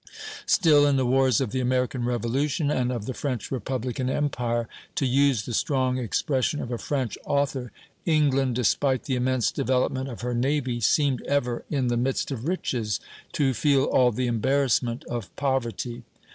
Still, in the wars of the American Revolution, and of the French Republic and Empire, to use the strong expression of a French author, "England, despite the immense development of her navy, seemed ever, in the midst of riches, to feel all the embarrassment of poverty."